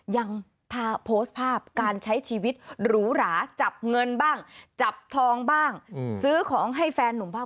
ยังพาโพสต์ภาพการใช้ชีวิตหรูหราจับเงินบ้างจับทองบ้างซื้อของให้แฟนหนุ่มบ้าง